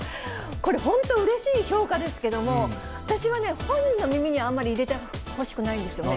これ、本当うれしい評価ですけども、私はね、本人の耳にあんまり入れてほしくないんですよね。